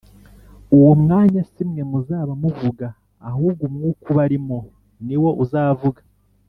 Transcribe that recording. Uwo mwanya si mwe muzaba muvuga ahubwo umwuka ubarimo ni wo uzavuga